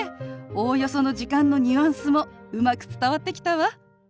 おおよその時間のニュアンスもうまく伝わってきたわ。